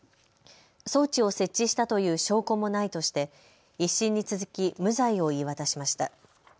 装置を設置したという証拠もないとして１審に続き無罪を言い渡しました。